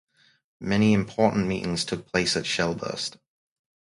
Many important meetings took place at Shellburst.